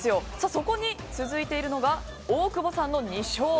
そこに続いているのが大久保さんの２勝。